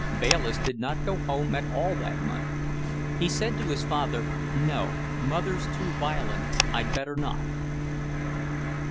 Bayliss did not go home at all that month. He said to his father, "No, Mother's too violent. I'd better not."